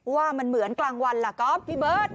ว่ามันเหมือนกลางวันล่ะก๊อฟพี่เบิร์ต